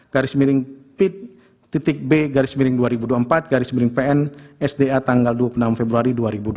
garis miring pit b garis miring dua ribu dua puluh empat garis miring pn sda tanggal dua puluh enam februari dua ribu dua puluh